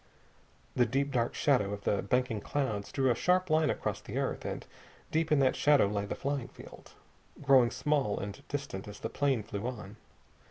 The deep dark shadow of the banking clouds drew a sharp line across the earth, and deep in that shadow lay the flying field, growing small and distant as the plane flew on.